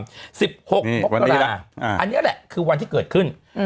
๑๖มกราอันนี้แหละคือวันที่เกิดขึ้น